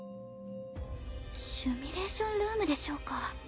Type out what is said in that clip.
シミュレーションルームでしょうか。